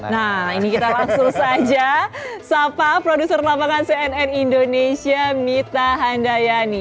nah ini kita langsung saja sapa produser lapangan cnn indonesia mita handayani